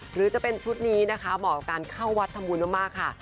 หรือจะเป็นชุดนี้นะคะเหมาะกับการเข้าวัดทำบุญมากค่ะ